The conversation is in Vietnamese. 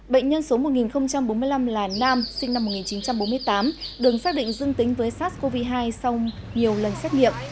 bệnh nhân số một nghìn bốn mươi năm là nam sinh năm một nghìn chín trăm bốn mươi tám được xác định dương tính với sars cov hai sau nhiều lần xét nghiệm